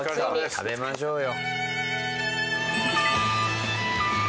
食べましょうよ。